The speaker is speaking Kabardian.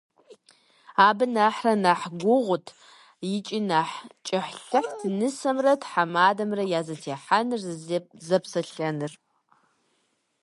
Абы нэхърэ нэхъ гугъут икӏи нэхъ кӏыхьлӏыхьт нысэмрэ тхьэмадэмрэ я зэтехьэныр, зэпсэлъэныр.